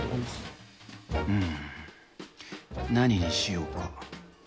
うーん、何にしようか。